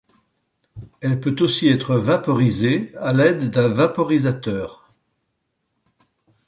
Elle peut aussi être vaporisée à l'aide d'un vaporisateur.